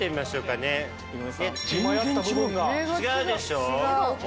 違うでしょ？